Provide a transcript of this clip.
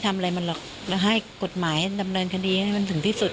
ทำอะไรมันหรอกแล้วให้กฎหมายดำเนินคดีให้มันถึงที่สุด